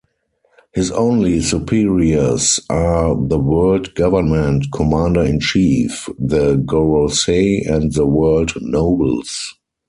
His only superiors are the World Government Commander-in-Chief, the Gorosei and the World Nobles.